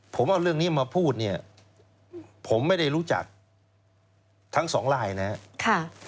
ผมเอาเรื่องนี้มาพูดเนี่ยผมไม่ได้รู้จักทั้งสองลายนะครับ